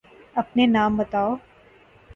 أپنے نام بتاؤ۔